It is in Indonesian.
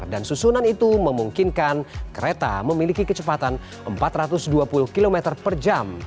dan susunan itu memungkinkan kereta memiliki kecepatan empat ratus dua puluh km per jam